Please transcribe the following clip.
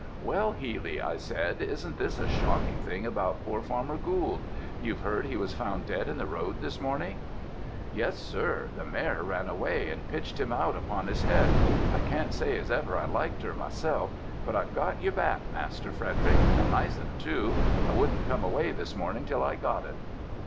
"'Well, Healy,' I said, 'isn't this a shocking thing about poor Farmer Gould? You've heard he was found dead in the road this morning?' "'Yes, Sir, the mare ran away, and pitched him out upon his head; I can't say as ever I liked her myself; but I've got your bat, Master Frederick; a nice un too; I wouldn't come away this morning till I'd got it.'